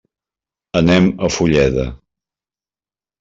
Anem a Fulleda.